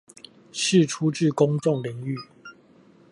釋出至公眾領域